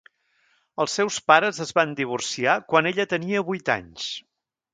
Els seus pares es van divorciar quan ella tenia vuit anys.